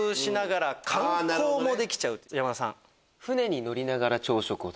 山田さん。